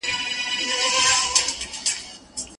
تا د حسنينو د ښکلا فلسفه څه لوستې ده